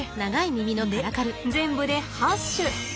で全部で８種。